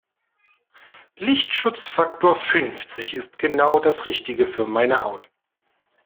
Lichtschutzfaktor fünfzig ist genau das Richtige für meine Haut.